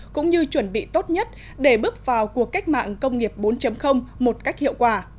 cũng như chuẩn bị tốt nhất để bước vào cuộc cách mạng công nghiệp bốn một cách hiệu quả